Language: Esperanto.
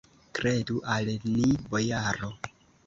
Kredu al ni, bojaro!